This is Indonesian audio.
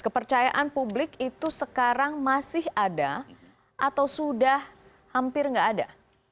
kepercayaan publik itu sekarang masih ada atau sudah hampir tidak ada